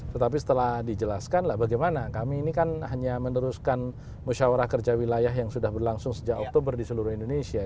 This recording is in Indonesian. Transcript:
tetapi setelah dijelaskan lah bagaimana kami ini kan hanya meneruskan musyawarah kerja wilayah yang sudah berlangsung sejak oktober di seluruh indonesia